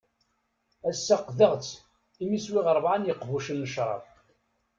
Ass-a qqdeɣ-tt imi swiɣ rebɛa n yiqbucen n cṛab.